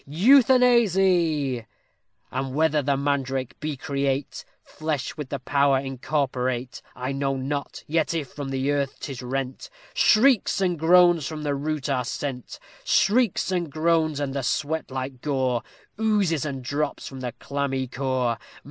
Euthanasy!_ And whether the mandrake be create Flesh with the power incorporate, I know not; yet, if from the earth 'tis rent, Shrieks and groans from the root are sent; Shrieks and groans, and a sweat like gore Oozes and drops from the clammy core.